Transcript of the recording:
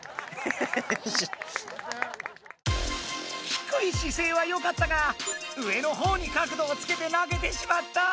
低いしせいはよかったが上のほうに角度をつけて投げてしまった！